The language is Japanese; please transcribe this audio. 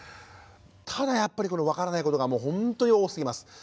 ただやっぱり分からないことがもうほんとに多すぎます。